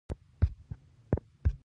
موږ قومونه د اشخاصو پر بنسټ سنجوو.